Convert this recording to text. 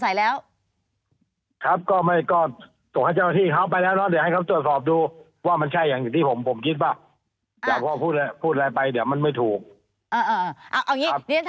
อย่างที่เค้าบอกก็สมุดมาตร